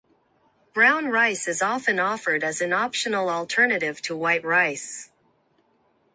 It is incredibly, urgently, desperately important.